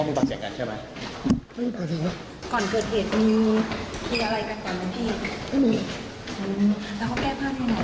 ไม่ตั้งใจครับ